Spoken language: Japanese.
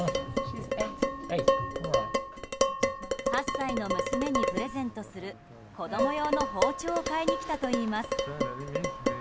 ８歳の娘にプレゼントする子供用の包丁を買いに来たといいます。